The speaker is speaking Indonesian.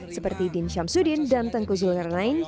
seperti din syamsuddin dan tengku zulner lain